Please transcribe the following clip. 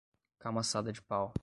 Camaçada de pau